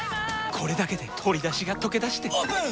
これだけで鶏だしがとけだしてオープン！